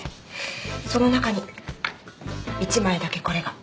その中に１枚だけこれが。